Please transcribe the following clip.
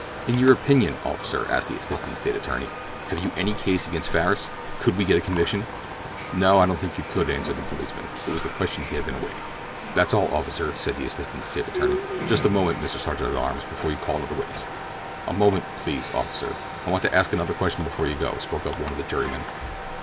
"In your opinion, officer," asked the assistant State attorney, "have you any case against Farris? Could we get a conviction?" "No, I don't think you could," answered the policeman. It was the question he had been awaiting. "That's all, officer," said the assistant State attorney. "Just a moment, Mr. Sergeant at arms, before you call another witness." "A moment, please, officer; I want to ask another question before you go," spoke up one of the jurymen.